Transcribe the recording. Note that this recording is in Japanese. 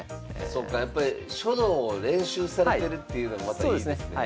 そっかやっぱり書道を練習されてるっていうのもまたいいですね。